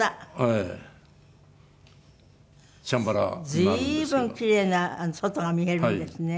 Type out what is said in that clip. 随分キレイな外が見えるんですね。